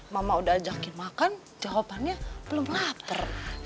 mama udah ajakin makan jawabannya belum lapar